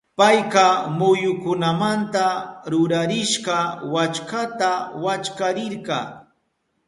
Payka muyukunamanta rurarishka wallkata wallkarirka.